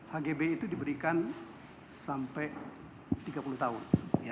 hgb itu diberikan sampai tiga puluh tahun